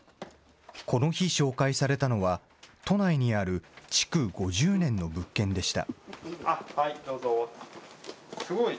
この日紹介されたのは、都内にある築５０年の物件でした。